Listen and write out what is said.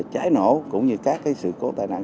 cháy nổ cũng như các sự cố tài nạn